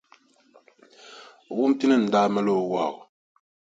Wumpini n-daa mali o wahu.